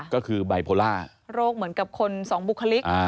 ก็คือไบโพล่าโรคเหมือนกับคนสองบุคลิก